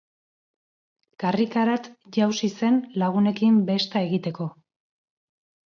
Karrikarat jautsi zen lagunekin besta egiteko.